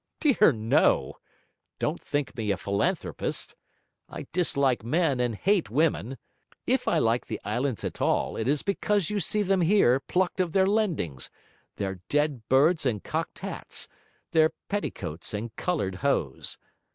'Dear no! Don't think me a philanthropist. I dislike men, and hate women. If I like the islands at all, it is because you see them here plucked of their lendings, their dead birds and cocked hats, their petticoats and coloured hose.